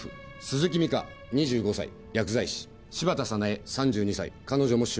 鈴木美加２５歳薬剤師柴田早苗３２歳彼女も主婦。